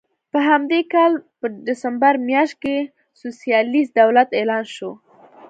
په همدې کال په ډسمبر میاشت کې سوسیالېست دولت اعلان شو.